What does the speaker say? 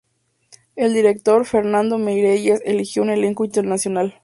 El director, Fernando Meirelles, eligió un elenco internacional.